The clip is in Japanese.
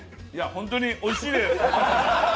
ホントにおいしいです。